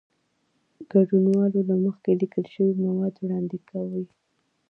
ګډونوال له مخکې لیکل شوي مواد وړاندې کوي.